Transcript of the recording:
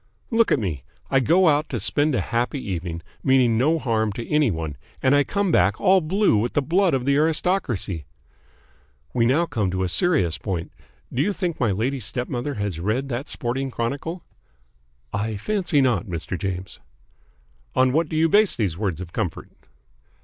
"Look at me. I go out to spend a happy evening, meaning no harm to any one, and I come back all blue with the blood of the aristocracy. We now come to a serious point. Do you think my lady stepmother has read that sporting chronicle?" "I fancy not, Mr. James." "On what do you base these words of comfort?"